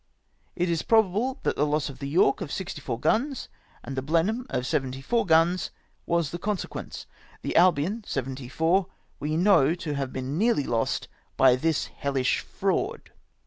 It is probable that the loss of the York of 64 guns, and the Blenheim of" 74 guns, was the consequence. The Albion, 74, we know to have been nearly lost by this hellish fraud."